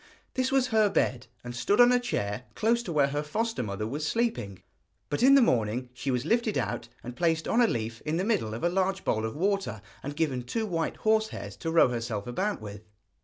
This was her bed, and stood on a chair close to where her foster mother was sleeping; but in the morning she was lifted out, and placed on a leaf in the middle of a large bowl of water, and given two white horse hairs to row herself about with.